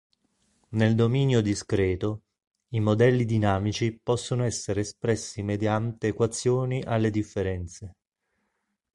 Nel dominio discreto, i modelli dinamici possono essere espressi mediante equazioni alle differenze.